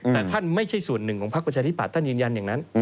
แต่ท่านไม่ใช่ส่วนหนึ่งของพักประชาธิบัตย์ท่านยืนยันอย่างนั้น